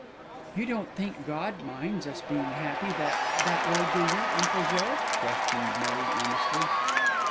"You don't think God minds us being happy that that way, do you, Uncle Joe?" questioned Millie earnestly.